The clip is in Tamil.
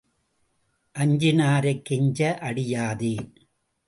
அஞ்சினாரைக் கெஞ்ச அடியாதே.